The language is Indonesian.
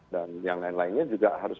dan yang lain lainnya juga harus